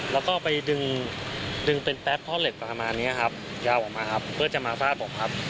แล้วก็ไปดึงดึงเป็นแป๊บพ่อเหล็กประมาณนี้ครับยาวออกมาครับเพื่อจะมาฟาดผมครับ